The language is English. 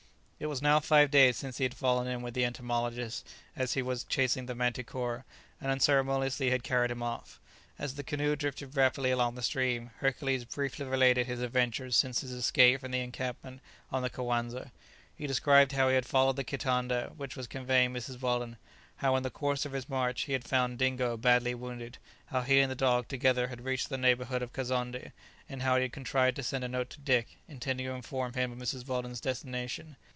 It was now five days since he had fallen in with the entomologist as he was chasing the manticora, and unceremoniously had carried him off. As the canoe drifted rapidly along the stream, Hercules briefly related his adventures since his escape from the encampment on the Coanza. He described how he had followed the kitanda which was conveying Mrs. Weldon; how in the course of his march he had found Dingo badly wounded; how he and the dog together had reached the neighbourhood of Kazonndé, and how he had contrived to send a note to Dick, intending to inform him of Mrs. Weldon's destination.